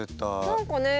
何かね。